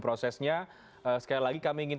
prosesnya sekali lagi kami ingin